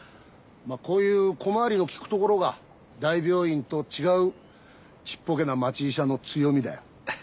こういう小回りのきくところが大病院と違うちっぽけな町医者の強みだよ。